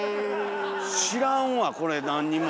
知らんわこれ何にも。